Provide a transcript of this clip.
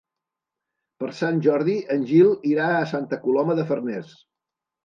Per Sant Jordi en Gil irà a Santa Coloma de Farners.